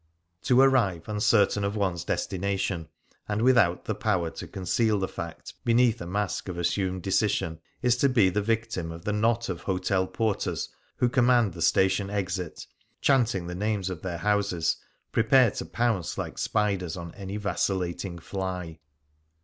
To arrive uncertain of one's destination — and without the power to conceal the fact beneath a mask of assumed decision — is to be the victim of the knot of hotel porters who command the station exit, chanting the names of their houses, prepared to pounce like spiders on any vacillating fly.